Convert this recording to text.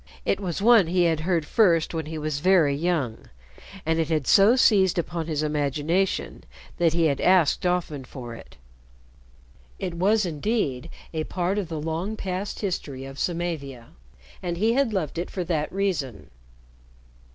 It was one he had heard first when he was very young, and it had so seized upon his imagination that he had asked often for it. It was, indeed, a part of the long past history of Samavia, and he had loved it for that reason.